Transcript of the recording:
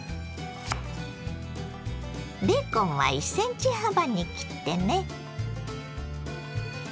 ベーコンは１ｃｍ幅に切ってね。